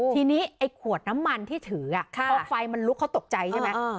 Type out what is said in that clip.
ทีนี้ไอ้ขวดน้ำมันที่ถืออ่ะค่ะเพราะไฟมันลุกเขาตกใจใช่ไหมอ่า